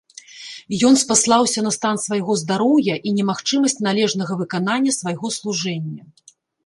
Ён спаслаўся на стан свайго здароўя і немагчымасць належнага выканання свайго служэння.